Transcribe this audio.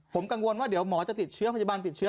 ผมกังวลว่าเดี๋ยวหมอจะติดเชื้อพยาบาลติดเชื้อ